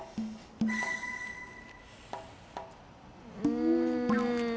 うん。